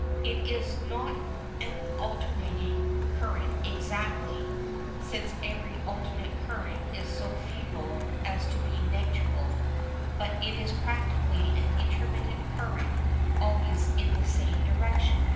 It is not an alternating current exactly (since every alternate current is so feeble as to be negligible), but is practically an intermittent current always in the same direction.